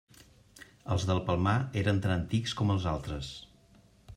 Els del Palmar eren tan antics com els altres.